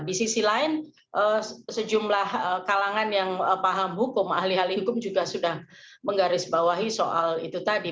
di sisi lain sejumlah kalangan yang paham hukum ahli ahli hukum juga sudah menggarisbawahi soal itu tadi